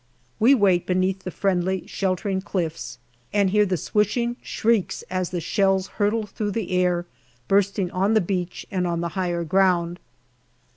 We wait beneath the friendly, sheltering cliffs, and hear the swishing shrieks as the shells hurtle through the air, bursting on the beach and on the higher ground.